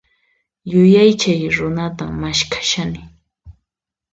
Yuyaychaq runatan maskhashani.